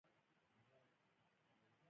مسلمانان بايد شکرکښونکي سي.